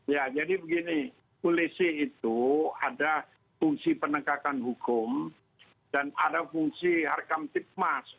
ya jadi begini polisi itu ada fungsi penegakan hukum dan ada fungsi harkam tipmas